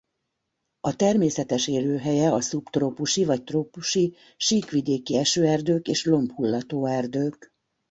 A természetes élőhelye a szubtrópusi vagy trópusi síkvidéki esőerdők és lombhullató erdők.